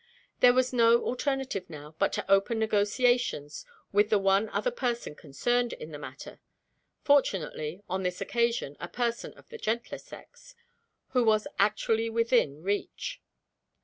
There was no alternative now but to open negotiations with the one other person concerned in the matter (fortunately, on this occasion, a person of the gentler sex), who was actually within reach.